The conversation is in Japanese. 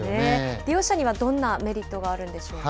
利用者にはどんなメリットがあるんでしょうか。